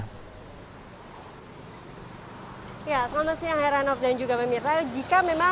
naya selamat siang herranoff dan juga mimira